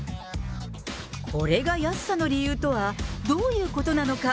これが安さの理由とは、どういうことなのか。